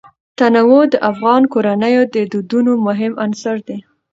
تنوع د افغان کورنیو د دودونو مهم عنصر دی.